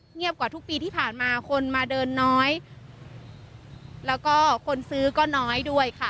กว่าทุกปีที่ผ่านมาคนมาเดินน้อยแล้วก็คนซื้อก็น้อยด้วยค่ะ